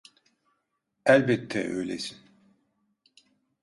Elbette öylesin.